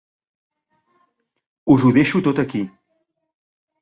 Us ho deixo tot aquí.